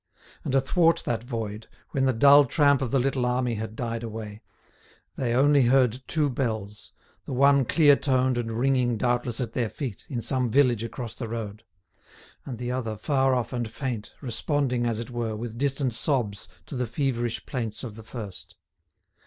And athwart that void, when the dull tramp of the little army had died away, they only heard two bells, the one clear toned and ringing doubtless at their feet, in some village across the road; and the other far off and faint, responding, as it were, with distant sobs to the feverish plaints of the first.